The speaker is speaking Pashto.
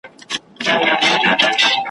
د کاکا لور مو مېلمنه ده لږ په ورو غږېږه